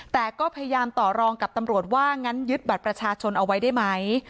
แต่ก็พยายามต่อรองกับตำรวจว่างั้นยึดบัตรประชาชนเอาไว้ได้ไหม